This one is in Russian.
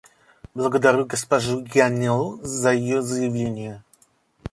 Благодарю госпожу Гианнеллу за ее заявление.